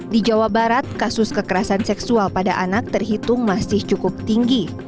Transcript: di jawa barat kasus kekerasan seksual pada anak terhitung masih cukup tinggi